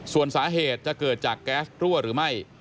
ส่วนสาเหตุจะเกิดจากแก๊สรั่วหรือไม่